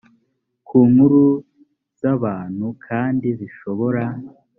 ku nkuru z abantu kandi zishobora